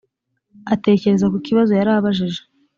atekereza ku kibazo yari abajije